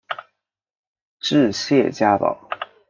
治谢家堡。